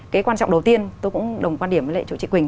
cái quan trọng đầu tiên tôi cũng đồng quan điểm với lệ chủ trị quỳnh